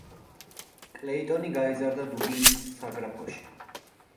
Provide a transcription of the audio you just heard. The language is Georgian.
კლეიტონი გაიზარდა დუბლინის საგრაფოში.